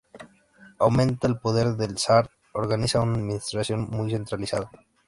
Aumenta el poder del zar, organiza una administración muy centralizada.